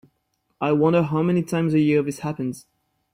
I wonder how many times a year this happens.